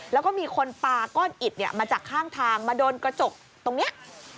แล้วก็มีคนปาก้อนอิดมาจากข้างทางมาโดนกระจกตรงนี้